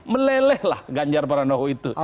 melelehlah ganjar paranowo itu